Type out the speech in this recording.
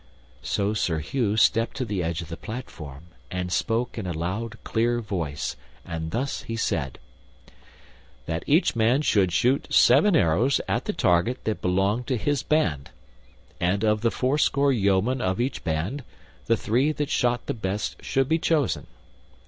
So Sir Hugh stepped to the edge of the platform and spoke in a loud clear voice, and thus he said: That each man should shoot seven arrows at the target that belonged to his band, and, of the fourscore yeomen of each band, the three that shot the best should be chosen.